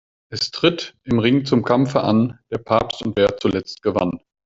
Es tritt im Ring zum Kampfe an: Der Papst und wer zuletzt gewann.